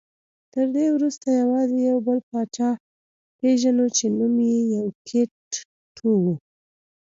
تر دې وروسته یوازې یو بل پاچا پېژنو چې نوم یې یوکیت ټو و